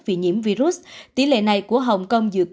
vì nhiễm virus tỷ lệ này của hồng kông dựa trên